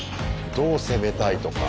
どう攻めたいとか。